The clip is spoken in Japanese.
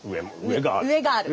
上がある。